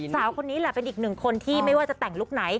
สาวคนนี้แหละเป็นอีกหนึ่งคนที่ไม่ว่าจะแต่งลุคไหน